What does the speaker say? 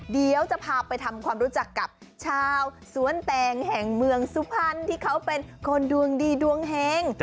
เดี๋ยวจะพาไปทำความรู้จักกับชาวสวนแตงแห่งเมืองสุพรรณที่เขาเป็นคนดวงดีดวงเฮง